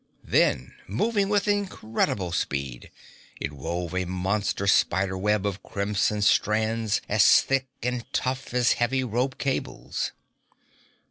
Then, moving with incredible speed, it wove a monster spider web of crimson strands as thick and tough as heavy rope cables.